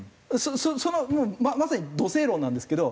そのもうまさにど正論なんですけど。